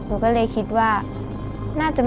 พี่น้องของหนูก็ช่วยย่าทำงานค่ะ